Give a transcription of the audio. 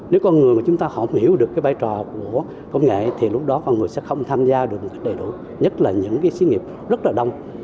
nếu con người mà chúng ta không hiểu được cái vai trò của công nghệ thì lúc đó con người sẽ không tham gia được một cách đầy đủ nhất là những cái xí nghiệp rất là đông